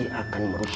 kamu akan merusaknya